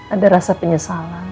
ada rasa penyesalan